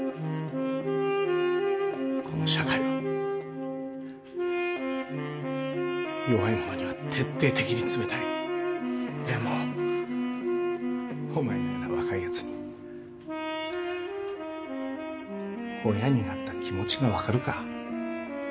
この社会は弱い者には徹底的に冷たいでもお前のような若いヤツに親になった気持ちが分かるか？